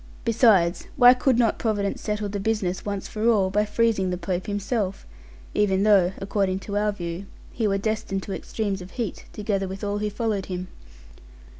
Besides, why could not Providence settle the business once for all by freezing the Pope himself; even though (according to our view) he were destined to extremes of heat, together with all who followed him?